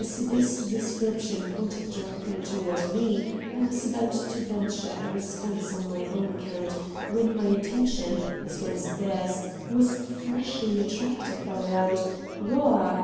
As this description pointed directly toward me, I was about to venture a response on my own account, when my attention, as well as theirs, was freshly attracted by a loud "Whoa!"